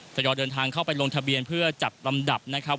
ยอยเดินทางเข้าไปลงทะเบียนเพื่อจัดลำดับนะครับ